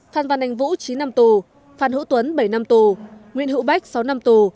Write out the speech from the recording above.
phan văn anh vũ chín năm tù phan hữu tuấn bảy năm tù nguyễn hữu bách sáu năm tù